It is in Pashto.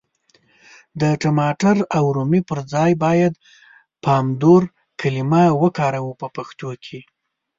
د ټماټر او رومي پر ځای بايد پامدور کلمه وکاروو په پښتو کي.